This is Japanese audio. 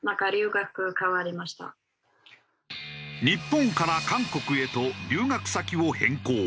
日本から韓国へと留学先を変更。